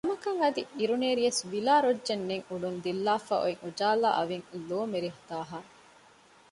ދަމަކަށް އަދި އިރުނޭރިޔަސް ވިލާ ރޮއްޖެއް ނެތް އުޑުން ދިއްލާފައި އޮތް އުޖާލާ އަވިން ލޯމެރިދާހައި ވެ